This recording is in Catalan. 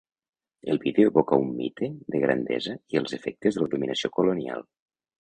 El vídeo evoca un mite de grandesa i els efectes de la dominació colonial.